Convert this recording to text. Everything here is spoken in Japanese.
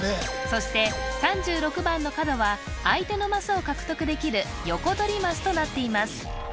そして３６番の角は相手のマスを獲得できるヨコドリマスとなっています